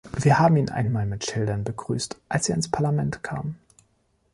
Wir haben ihn einmal mit Schildern begrüßt, als er ins Parlament kam.